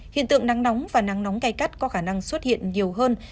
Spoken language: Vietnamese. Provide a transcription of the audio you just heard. hiện tượng nắng nóng và nắng nóng cay cắt có khả năng xuất hiện nhiều hơn